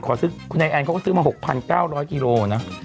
คุณแอลน์ก็ซื้อมา๖๙๐๐กิโลนะ